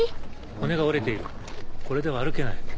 骨が折れているこれでは歩けない。